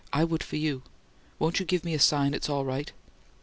I would for you. Won't you give me a sign that it's all right?"